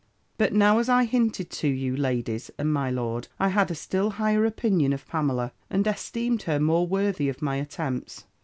"But now, as I hinted to you, ladies, and my lord, I had a still higher opinion of Pamela; and esteemed her more worthy of my attempts.